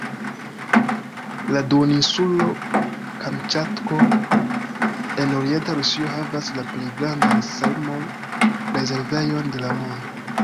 La duoninsulo Kamĉatko en orienta Rusio havas la plej grandan salmo-rezervejon de la mondo.